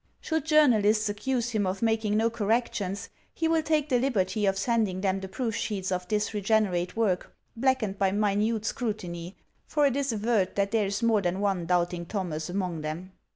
1 Should journalists accuse him of making no corrections, he will take the liberty of sending them the proof sheets of this regenerate work, blackened by minute scrutiny ; for it is averred that there is more than one doubting Thomas among them.